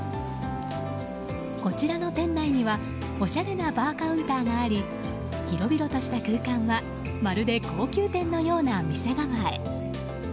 こちらの店内にはおしゃれなバーカウンターがあり広々とした空間はまるで高級店のような店構え。